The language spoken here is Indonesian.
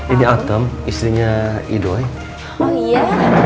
ini atem istrinya idoi oh iya